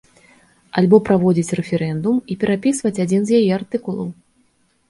Альбо праводзіць рэферэндум і перапісваць адзін з яе артыкулаў.